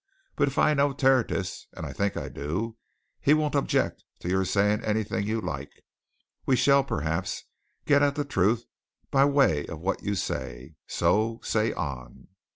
But if I know Tertius and I think I do he won't object to your saying anything you like we shall, perhaps, get at the truth by way of what you say. So say on!"